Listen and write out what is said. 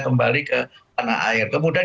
kembali ke tanah air kemudian